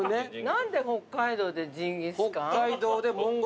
なんで北海道でジンギスカン？